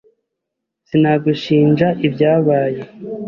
Sinagushinja ibyabaye.